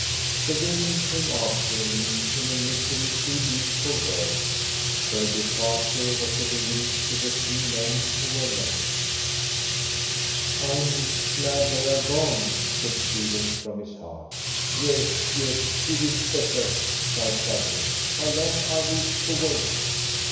The women came after him, in a misery too deep for words. Their departure was a relief to the three men who were left. "I am glad they are gone," said Stephens, from his heart. "Yes, yes, it is better," cried Fardet. "How long are we to wait?"